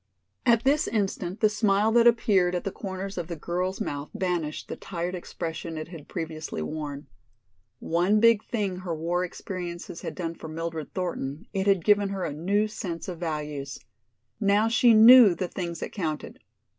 At this instant the smile that appeared at the corners of the girl's mouth banished the tired expression it had previously worn. One big thing her war experiences had done for Mildred Thornton, it had given her a new sense of values. Now she knew the things that counted.